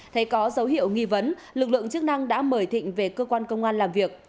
thấy có dấu hiệu nghi vấn lực lượng chức năng đã mời thịnh về cơ quan công an làm việc